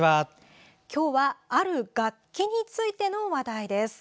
今日はある楽器についての話題です。